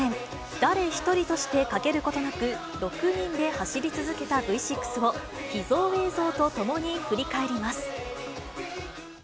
誰一人として欠けることなく、６人で走り続けたＶ６を秘蔵映像と共に振り返ります。